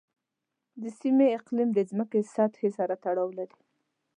د سیمې اقلیم د ځمکې سطحې سره تړاو لري.